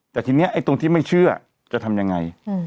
แต่ทีนี้ไอ้ตรงที่ไม่เชื่อจะทำยังไง